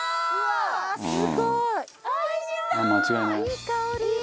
いい香り。